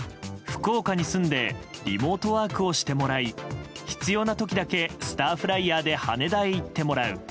福岡に住んでリモートワークをしてもらい必要な時だけスターフライヤーで羽田へ行ってもらう。